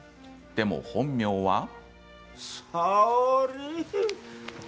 でも本名は。